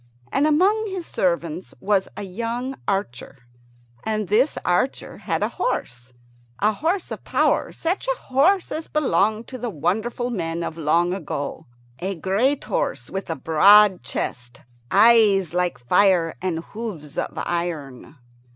And among his servants was a young archer, and this archer had a horse a horse of power such a horse as belonged to the wonderful men of long ago a great horse with a broad chest, eyes like fire, and hoofs of iron.